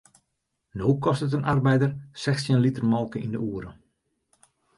No kostet in arbeider sechstjin liter molke yn de oere.